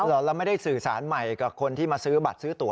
เราไม่ได้สื่อสารใหม่กับคนที่มาซื้อบัตรซื้อตัว